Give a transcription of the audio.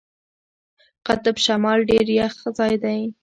قطب شمال ډېر یخ ځای دی.